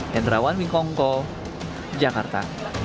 henrawan wingkongko jakarta